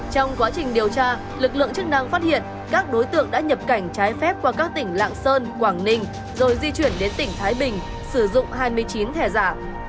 trong quá trình điều tra lực lượng chức năng phát hiện các đối tượng đã nhập cảnh trái phép qua các tỉnh lạng sơn quảng ninh rồi di chuyển đến tỉnh thái bình sử dụng hai mươi chín thẻ giả